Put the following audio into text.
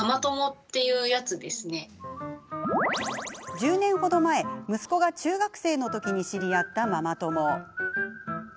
１０年程前、息子が中学生の時に知り合ったママ友。